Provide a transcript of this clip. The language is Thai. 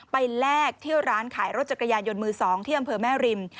แลกที่ร้านขายรถจักรยานยนต์มือ๒ที่อำเภอแม่ริม